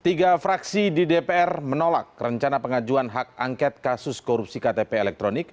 tiga fraksi di dpr menolak rencana pengajuan hak angket kasus korupsi ktp elektronik